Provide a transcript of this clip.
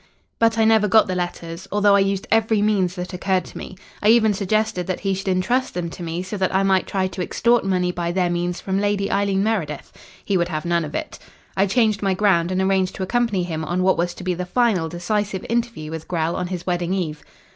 "But I never got the letters, although I used every means that occurred to me. I even suggested that he should entrust them to me so that I might try to extort money by their means from Lady Eileen Meredith. He would have none of it. I changed my ground and arranged to accompany him on what was to be the final decisive interview with Grell on his wedding eve.